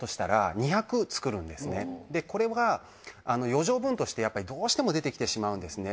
これが余剰分としてどうしても出てきてしまうんですね。